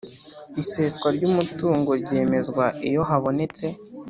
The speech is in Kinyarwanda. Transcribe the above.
Iseswa ry umutungo ryemezwa iyo habonetse